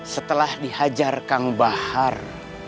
setelah dihajar kang bahar